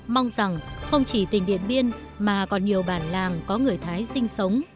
mong rằng không chỉ tỉnh điện biên mà còn nhiều bản làng có người thái sinh sống